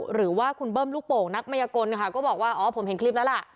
หรือว่าคุณเบิ้มลูกโป่งนักมัยกลค่ะก็บอกว่าอ๋อผมเห็นคลิปแล้วล่ะ